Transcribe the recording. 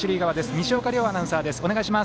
西岡遼アナウンサーです。